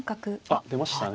あっ出ましたね。